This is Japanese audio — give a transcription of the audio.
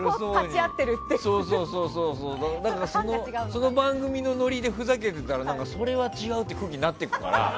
その番組のノリでふざけてたらそれは違うって空気になっていくから。